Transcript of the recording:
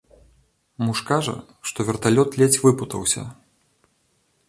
Муж кажа, што верталёт ледзь выпутаўся.